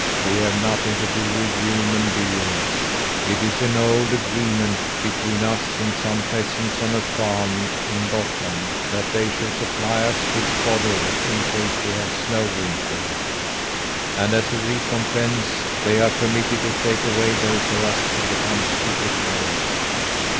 "We have nothing to do with human beings. It's an old agreement between us and some peasants on a farm in Gottland, that they shall supply us with fodder in case we have snow winter; and as a recompense they are permitted to take away those of us who become superfluous.